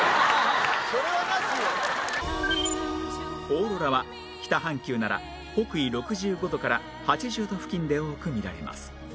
オーロラは北半球なら北緯６５度から８０度付近で多く見られます